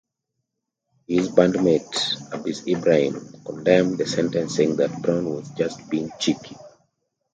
His bandmate Aziz Ibrahim condemned the sentence, saying that Brown was "just being cheeky".